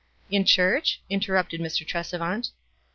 "In church?" interrupted Mr. Tresevant.